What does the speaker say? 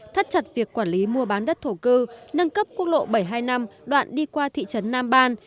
thắt chặt việc quản lý mua bán đất thổ cư nâng cấp quốc lộ bảy trăm hai mươi năm đoạn đi qua thị trấn nam ban